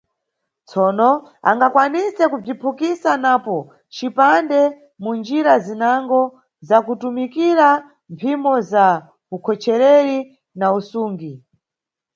Tsono, angakwanise kubziphukisa napo mcipande, mu njira zinango zakutumikira mphimo za ukhochereri na usungi.